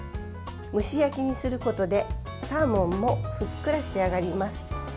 蒸し焼きにすることでサーモンもふっくら仕上がります。